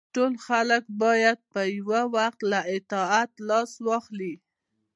ټول خلک باید په یو وخت له اطاعت لاس واخلي.